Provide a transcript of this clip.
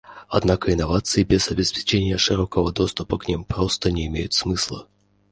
Однако инновации без обеспечения широкого доступа к ним просто не имеют смысла.